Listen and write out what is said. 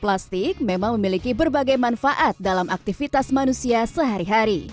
plastik memang memiliki berbagai manfaat dalam aktivitas manusia sehari hari